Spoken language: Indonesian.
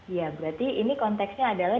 ya berarti ini konteksnya adalah